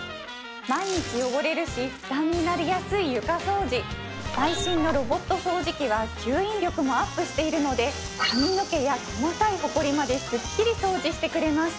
毎日汚れるし負担になりやすい床掃除最新のロボット掃除機は吸引力もアップしているので髪の毛や細かいホコリまですっきり掃除してくれます